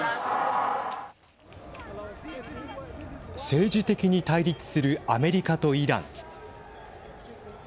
政治的に対立するアメリカとイラン。